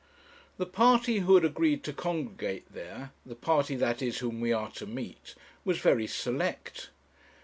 The party who had agreed to congregate there the party, that is, whom we are to meet was very select.